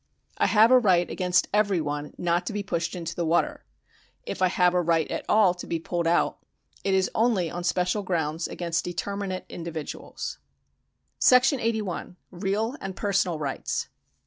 I have a right against every one not to be pushed into the water ; if I have a right at all to be pulled out, it is only on special grounds against determinate individuals. § SI. Real and Personal Rights.